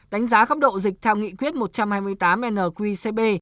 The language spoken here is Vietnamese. đánh giá cấp độ dịch theo nghị quyết một trăm hai mươi tám nqcp